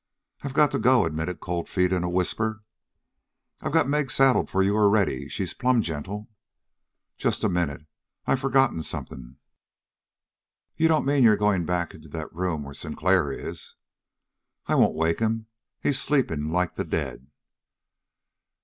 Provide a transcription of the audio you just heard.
"I've got to go," admitted Cold Feet in a whisper. "I've got Meg saddled for you already. She's plumb gentle." "Just a minute. I've forgotten something." "You don't mean you're going back into that room where Sinclair is?" "I won't waken him. He's sleeping like the dead."